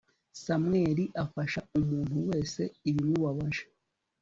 Samweli afasha umuntu wese ubimubajije